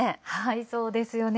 そうですよね。